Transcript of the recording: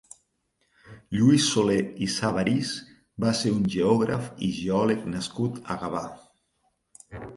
Lluís Solé i Sabarís va ser un geògraf i geòleg nascut a Gavà.